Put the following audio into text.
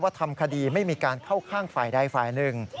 ทำคดีไม่มีการเข้าข้างฝ่ายใดฝ่ายหนึ่ง